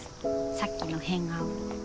さっきの変顔。